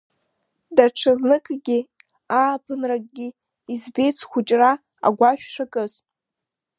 Даҽа зныкгьы, ааԥынракгьы, избеит схәыҷра агәашә шакыз.